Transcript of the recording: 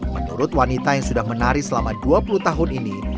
menurut wanita yang sudah menari selama dua puluh tahun ini